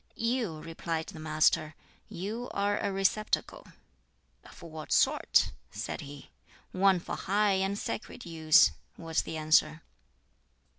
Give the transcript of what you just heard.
"You," replied the Master "You are a receptacle." "Of what sort?" said he. "One for high and sacred use," was the answer.